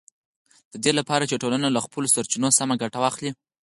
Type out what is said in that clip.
د دې لپاره چې یوه ټولنه له خپلو سرچینو سمه ګټه واخلي